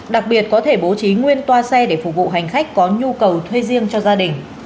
đặc biệt có thể bố trí nguyên toa xe để phục vụ hành khách có nhu cầu thuê riêng cho gia đình